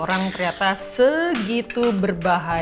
orang ternyata segitu berbahan